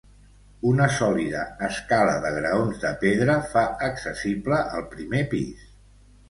Una sòlida escala de graons de pedra fa accessible el primer pis.